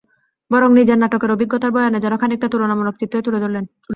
বরং নিজের নাটকের অভিজ্ঞতার বয়ানে যেন খানিকটা তুলনামূলক চিত্রই তুলে ধরলেন।